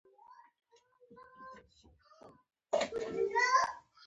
آیا کاناډا د کثافاتو مدیریت نه کوي؟